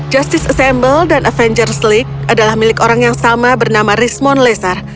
tentu saja the battle and avengers league adalah milik orang yang sama bernama rismon lazar